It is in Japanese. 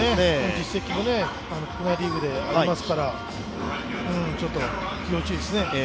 実績も国内リーグでありますから、ちょっと要注意ですね。